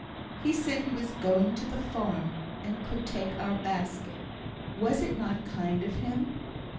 "He said he was going to the farm, and could take our basket. Was not it kind of him?"